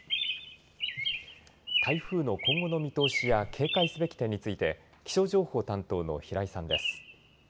台風の今後の見通しや警戒すべき点について気象情報担当の平井さんです。